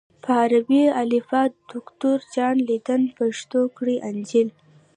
په عربي الفبا د دوکتور جان لیدن پښتو کړی انجیل